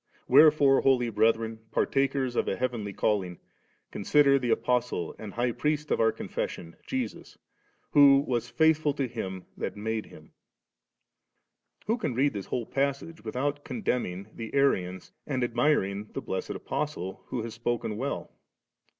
Wherefore, holy brethren, partakers of a heavenly callings consider the Apostle and High Priest of our profession, Jesus ; who was faithful to Him that made Him V 9. Who can read this whole passage without condemning the Arians, and admiring the blessed Apostle, who has spoken well?